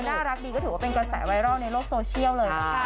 น่ารักดีก็ถือว่าเป็นกระแสไวรัลในโลกโซเชียลเลยนะคะ